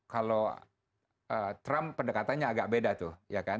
kalau trump pendekatannya agak beda tuh